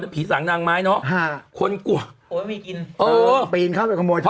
ผีสางนางไม้เนาะคนกลัวโอ้ยมีกินเออปีนเข้าไปขโมยท่อ